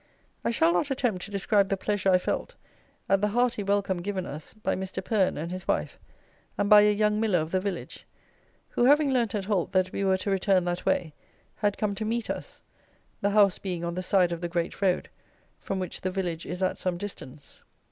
I shall not attempt to describe the pleasure I felt at the hearty welcome given us by Mr. Pern and his wife and by a young miller of the village, who, having learnt at Holt that we were to return that way, had come to meet us, the house being on the side of the great road, from which the village is at some distance.